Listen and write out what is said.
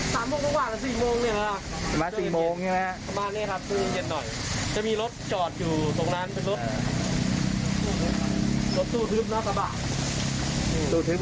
แต่ก็เห็นสว่างศอดแล้วก็